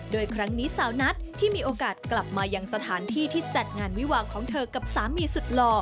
โดยครั้งนี้สาวนัทที่มีโอกาสกลับมายังสถานที่ที่จัดงานวิวาของเธอกับสามีสุดหล่อ